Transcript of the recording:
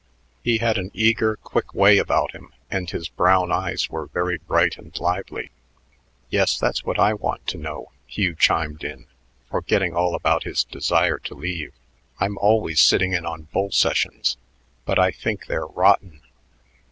He had an eager, quick way about him, and his brown eyes were very bright and lively. "Yes, that's what I want to know," Hugh chimed in, forgetting all about his desire to leave. "I'm always sitting in on bull sessions, but I think they re rotten.